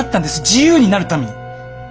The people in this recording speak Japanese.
自由になるために。